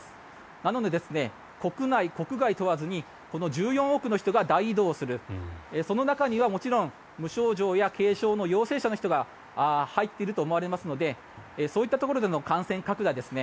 なので、国内、国外問わずにこの１４億の人が大移動するその中にはもちろん無症状や軽症の陽性者の人が入っていると思われますのでそういったところでの感染拡大ですね